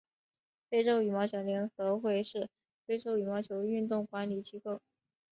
非洲羽毛球联合会是非洲羽毛球运动管理机构。